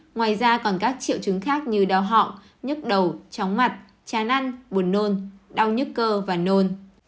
ngoài ra còn các triệu chứng khác như đau họng nhức đầu chóng mặt chán ăn buồn nôn đau nhức cơ và nôn